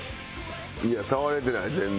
いや触れてない全然。